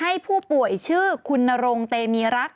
ให้ผู้ป่วยชื่อคุณนรงเตมีรัก